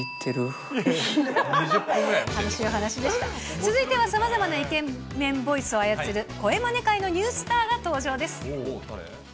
続いてはさまざまなイケメンボイスを操る、声まね界のニュースターが登場です。